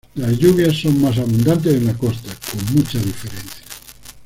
Las lluvias son más abundantes en la costa, con mucha diferencia.